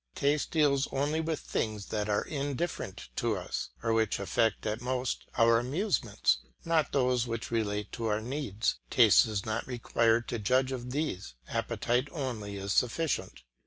Taste deals only with things that are indifferent to us, or which affect at most our amusements, not those which relate to our needs; taste is not required to judge of these, appetite only is sufficient.